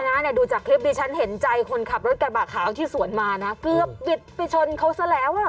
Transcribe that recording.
เนี่ยดูจากคลิปดิฉันเห็นใจคนขับรถกระบะขาวที่สวนมานะเกือบบิดไปชนเขาซะแล้วอ่ะ